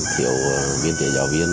thiếu biên chế giáo viên